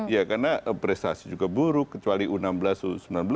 ya karena prestasi juga buruk kecuali u enam belas u sembilan belas